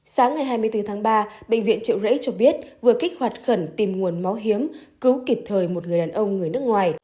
sáng ngày hai mươi bốn tháng ba bệnh viện trợ rẫy cho biết vừa kích hoạt khẩn tìm nguồn máu hiếm cứu kịp thời một người đàn ông người nước ngoài